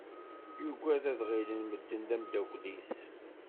Yuggad ad ɣilen medden d ameddakel-is.